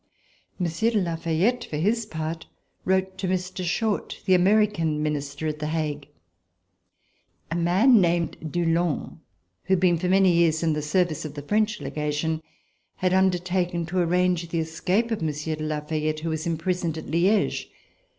Monsieur de La Fayette, for his part, wrote to Mr. Short, the American Minister at The Hague. A man named Dulong, who had been for many years in the service of the French Legation, had undertaken to arrange the escape of Monsieur de La Fayette who was imprisoned at Liege.